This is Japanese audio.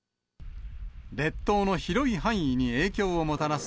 列島の広い範囲に影響をもたらす